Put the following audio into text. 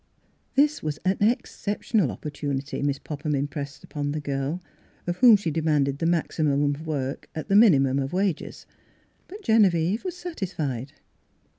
This was an exceptional opportunity, Miss Popham impressed upon the girl, of Miss Philura's Wedding Gown whom she demanded the maximum of work at the minimum of wages. But Genevieve was satisfied.